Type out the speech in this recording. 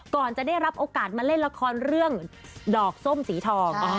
ก่อนจะได้รับโอกาสมาเล่นละครเรื่องดอกส้มสีทอง